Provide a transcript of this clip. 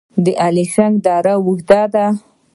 د الیشنګ دره اوږده ده